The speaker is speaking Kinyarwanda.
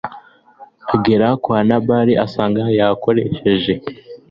agera kwa Nabali asanga yakoresheje